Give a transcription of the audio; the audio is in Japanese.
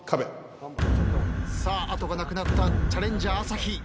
さあ後がなくなったチャレンジャー朝日。